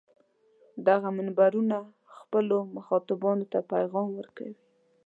دغه منبرونه خپلو مخاطبانو ته پیغام ورکوي.